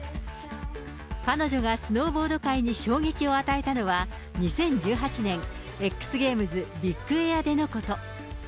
彼女がスノーボード界に衝撃を与えたのは、２０１８年、Ｘゲームズビッグエアでのこと。